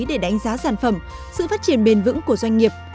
để đánh giá sản phẩm sự phát triển bền vững của doanh nghiệp